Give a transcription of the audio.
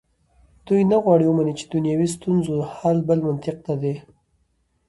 دوی نه غواړي ومني چې دنیوي ستونزو حل بل منطق ته ده.